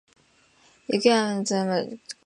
雪や風の強まる所